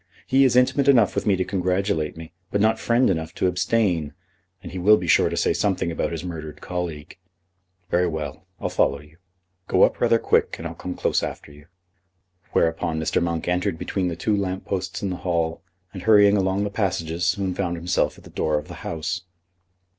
He is intimate enough with me to congratulate me, but not friend enough to abstain, and he will be sure to say something about his murdered colleague. Very well; I'll follow you. Go up rather quick, and I'll come close after you." Whereupon Mr. Monk entered between the two lamp posts in the hall, and, hurrying along the passages, soon found himself at the door of the House.